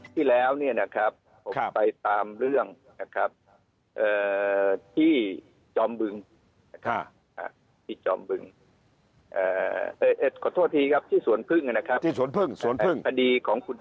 ที่แล้วเนี่ยนะครับตามเรื่องนะครับที่จอมบึงคเป็นส่วน